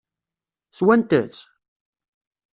Swant-tt?